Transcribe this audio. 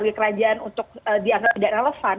bagi kerajaan untuk dianggap tidak relevan